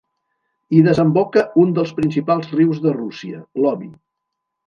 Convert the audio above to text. Hi desemboca un dels principals rius de Rússia, l'Obi.